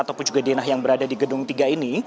ataupun juga dinah yang berada di gedung tiga ini